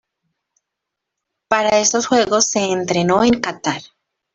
Para estos juegos se entrenó en Catar.